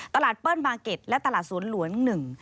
ตลาดเปิ้ลมาร์เก็ตและตลาดศูนย์หลวน๑